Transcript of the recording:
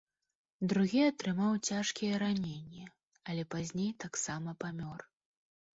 Другі атрымаў цяжкія раненні, але пазней таксама памёр.